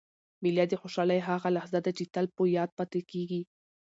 مېله د خوشحالۍ هغه لحظه ده، چي تل په یاد پاته کېږي.